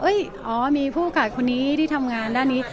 เอ้ยอ๋อมีผู้กัดคนนี้ที่ทำงานด้านนี้